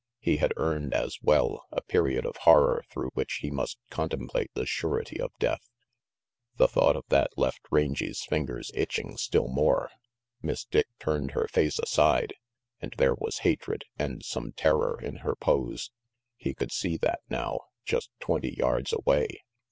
He had earned, as well, a period of horror through which he must con template the surety of Death. The thought of that left Rangy's fingers itching still more. Miss Dick turned her face aside, and there was hatred, and some terror, in her pose. He could see that now; just twenty yards away.